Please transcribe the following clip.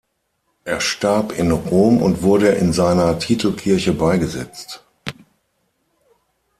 Er starb in Rom und wurde in seiner Titelkirche beigesetzt.